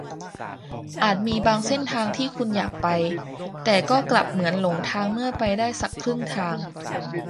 อาจมีบางเส้นทางที่คุณอยากไป แต่ก็กลับเหมือนหลงทางเมื่อไปได้สักครึ่งทาง